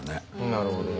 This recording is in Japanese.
なるほどね。